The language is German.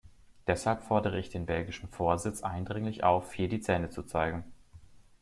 Deshalb fordere ich den belgischen Vorsitz eindringlich auf, hier die Zähne zu zeigen.